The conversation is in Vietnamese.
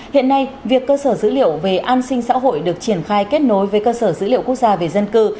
hiện nay việc cơ sở dữ liệu về an sinh xã hội được triển khai kết nối với cơ sở dữ liệu quốc gia về dân cư